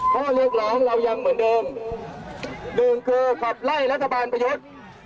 ข้อเรียกร้องเรายังเหมือนเดิมหนึ่งคือขับไล่รัฐบาลประยุทธ์